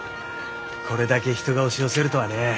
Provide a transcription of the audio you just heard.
これだけ人が押し寄せるとはね。